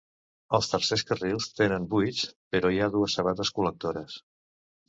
Els tercers carrils tenen buits, però hi ha dues sabates col·lectores.